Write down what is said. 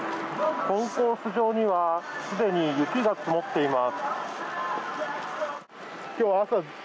コンコース上にはすでに雪が積もっています。